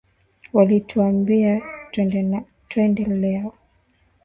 walituambia twende leo